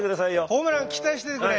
ホームラン期待しててくれ。